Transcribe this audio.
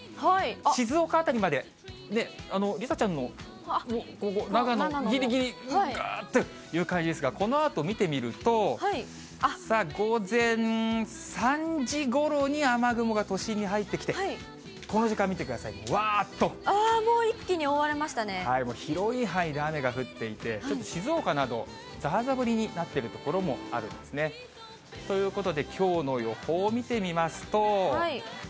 静岡辺りまで、梨紗ちゃんのここ、長野ぎりぎり、がーっという感じですが、このあと見てみると、さあ、午前３時ごろに雨雲が都心に入ってきて、この時間見てください、もう、広い範囲で雨が降っていて、ちょっと静岡など、ざーざー降りになっている所もあるんですね。ということできょうの予報を見てみますと。